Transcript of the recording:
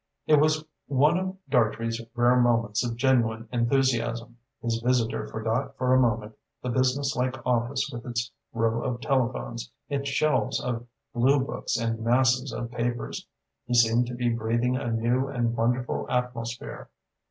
It was one of Dartrey's rare moments of genuine enthusiasm. His visitor forgot for a moment the businesslike office with its row of telephones, its shelves of blue books and masses of papers. He seemed to be breathing a new and wonderful atmosphere.